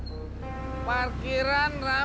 udin lagi sibuknya